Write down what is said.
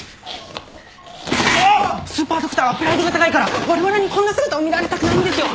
スーパードクターはプライドが高いから我々にこんな姿を見られたくないんですよ！